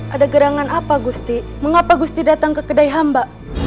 ada gerangan apa gusti mengapa gusti datang ke kedai hamba